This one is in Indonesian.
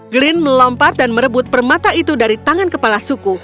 glenn melompat dan merebut permata itu dari tangan kepala suku